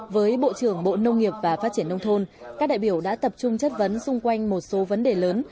với bộ trưởng bộ nông nghiệp và phát triển nông thôn các đại biểu đã tập trung chất vấn xung quanh một số vấn đề lớn